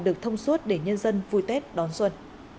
được thông suốt để nhân dân vui tết đón xuân